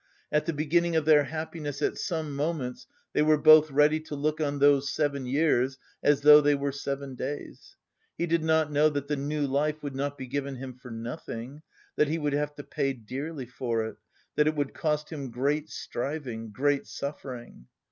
At the beginning of their happiness at some moments they were both ready to look on those seven years as though they were seven days. He did not know that the new life would not be given him for nothing, that he would have to pay dearly for it, that it would cost him great striving, great suffering.